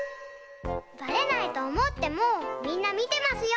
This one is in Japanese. バレないとおもってもみんなみてますよ！